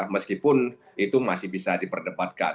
meskipun itu masih bisa diperdebatkan